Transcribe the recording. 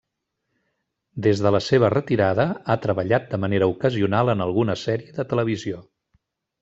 Des de la seva retirada, ha treballat de manera ocasional en alguna sèrie de televisió.